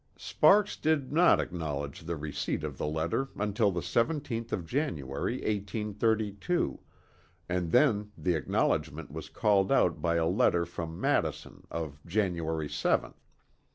Sparks did not acknowledge the receipt of the letter until the 17th of January, 1832, and then the acknowledgment was called out by a letter from Madison of January 7th.